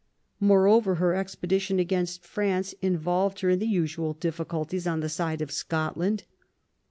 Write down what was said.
Moreover, her expedition against France involved her in the usual difficulties on the side of Scotland.